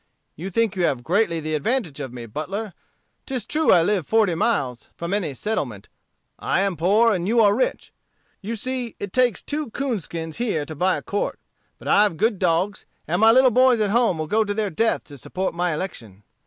You think you have greatly the advantage of me, Butler. 'Tis true I live forty miles from any settlement. I am poor, and you are rich. You see it takes two coonskins here to buy a quart. But I've good dogs, and my little boys at home will go to their death to support my election.